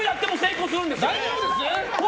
大丈夫です？